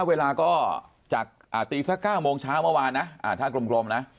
เวลาก็จากตีสัก๙โมงเช้าเมื่อวานนะถ้ากลมนะ